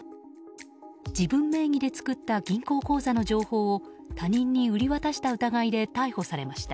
自分名義で作った銀行口座の情報を他人に売り渡した疑いで逮捕されました。